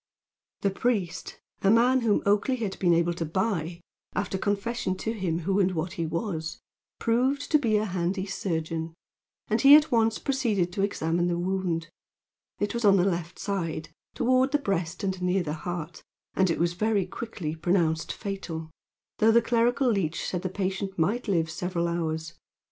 The priest, a man whom Oakleigh had been able to buy, after confession to him who and what he was, proved to be a handy surgeon, and he at once proceeded to examine the wound. It was in the left side, toward the breast and near the heart, and it was very quickly pronounced fatal, though the clerical leech said the patient might live several hours.